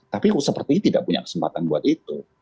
tapi seperti itu tidak punya kesempatan buat itu